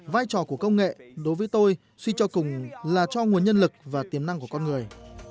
vai trò của công nghệ đối với tôi suy cho cùng là cho nguồn nhân lực và tiềm năng của con người